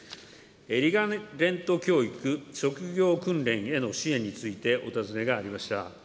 リカレント教育、職業訓練への支援についてお尋ねがありました。